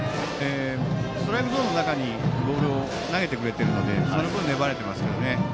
ストライクゾーンの中にボールを投げてくれているのでその分、粘れていますね。